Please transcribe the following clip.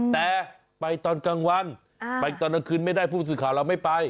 แต่ไปตอนกลางวันไปตอนกลางคืนไม่ได้ผู้สื่อข่าวเราไม่ไป